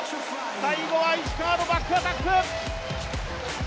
最後は石川のバックアタック。